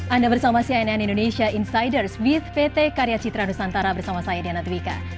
anda bersama cnn indonesia insiders with pt karya citra nusantara bersama saya diana twika